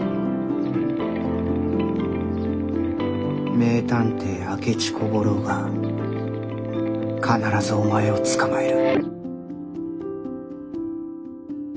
名探偵明智小五郎が必ずお前を捕まえる。